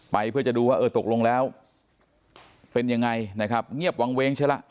เพื่อจะดูว่าเออตกลงแล้วเป็นยังไงนะครับเงียบวางเว้งใช่ละ